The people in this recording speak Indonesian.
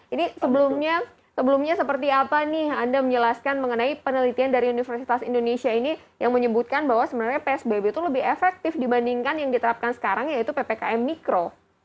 ini sebelumnya seperti apa nih anda menjelaskan mengenai penelitian dari universitas indonesia ini yang menyebutkan bahwa sebenarnya psbb itu lebih efektif dibandingkan yang diterapkan sekarang yaitu ppkm mikro